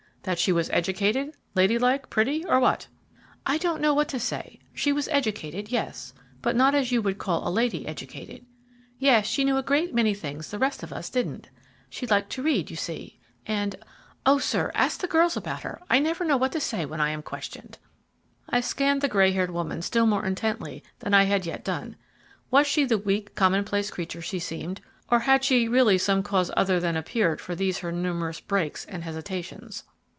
That she was educated, lady like, pretty, or what?" "I don't know what to say. She was educated, yes, but not as you would call a lady educated. Yet she knew a great many things the rest of us did'nt. She liked to read, you see, and O sir, ask the girls about her, I never know what to say when I am questioned." I scanned the gray haired woman still more intently than I had yet done. Was she the weak common place creature she seemed, or had she really some cause other than appeared for these her numerous breaks and hesitations.